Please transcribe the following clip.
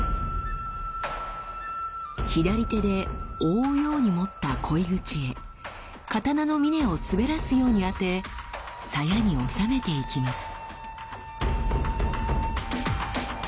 左手で覆うように持った鯉口へ刀の峰を滑らすように当て鞘に納めていきます。